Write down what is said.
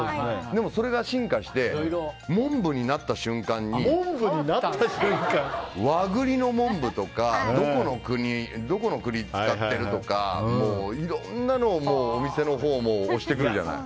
でもそれが進化してモンブになった瞬間に和栗のモンブとかどこの栗を使ってるとかいろんなのをお店のほうも推してくるじゃない。